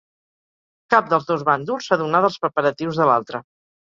Cap dels dos bàndols s'adonà dels preparatius de l'altre.